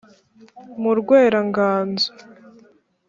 mu rwera-nganzo.